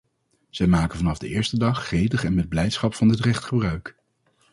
Zij maken vanaf de eerste dag gretig en met blijdschap van dit recht gebruik.